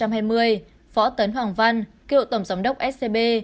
năm hai nghìn hai mươi phó tấn hoàng văn cựu tổng giám đốc scb